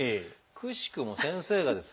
くしくも先生がですね